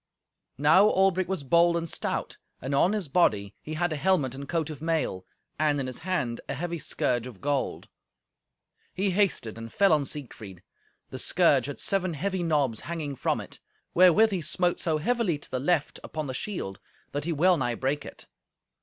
Now Albric was bold and stout, and on his body he had a helmet and coat of mail, and in his hand a heavy scourge of gold. He hasted and fell on Siegfried. The scourge had seven heavy knobs hanging from it, wherewith he smote so heavily to the left upon the shield that he well nigh brake it.